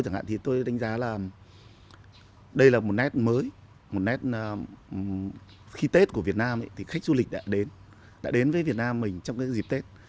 chúng tôi đánh giá là đây là một nét mới một nét khi tết của việt nam thì khách du lịch đã đến với việt nam mình trong dịp tết